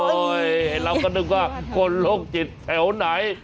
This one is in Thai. เราก็นึกว่าคนโรคจิตแถวไหน